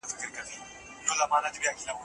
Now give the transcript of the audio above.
زه ځان ډیر ښه پیژنم.